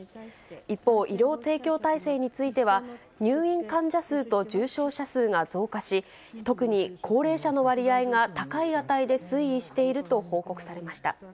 一方、医療提供体制については、入院患者数と重症者数が増加し、特に高齢者の割合が高い値で推移していると報告されました。